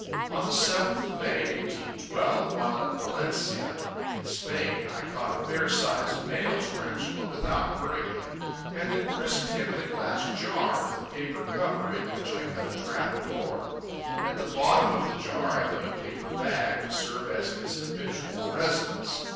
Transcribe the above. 'On the 7th of May 1812, while at Valencia, in Spain, I caught a fair sized male Tarantula, without hurting him, and imprisoned him in a glass jar, with a paper cover in which I cut a trap door. At the bottom of the jar I put a paper bag, to serve as his habitual residence.